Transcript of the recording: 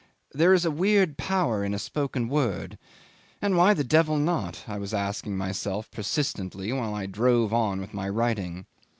There is a weird power in a spoken word. And why the devil not? I was asking myself persistently while I drove on with my writing.